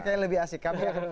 kayaknya lebih asik